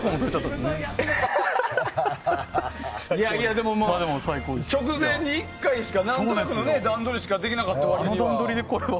でも、直前に１回しか何となくの段取りしかできなかった割には。